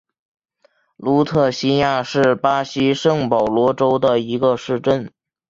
卢特西亚是巴西圣保罗州的一个市镇。